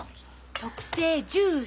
特製ジュース。